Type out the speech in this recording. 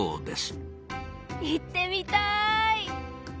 行ってみたい。